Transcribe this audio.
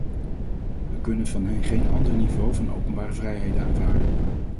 We kunnen van hen geen ander niveau van openbare vrijheden aanvaarden.